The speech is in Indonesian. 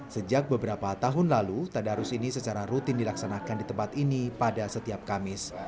sejak beberapa tahun lalu tadarus ini secara rutin dilaksanakan di tempat ini pada setiap kamis